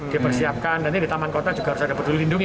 dipersiapkan nanti di taman kota juga harus ada peduli lindungi